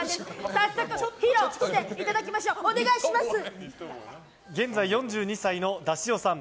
早速披露していただきましょう現在４２歳のだしおさん。